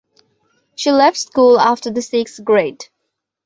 She left school after the sixth grade.